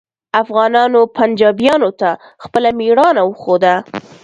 افغانانو پنجابیانو ته خپله میړانه وښوده